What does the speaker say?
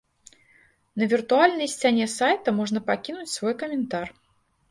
На віртуальнай сцяне сайта можна пакінуць свой каментар.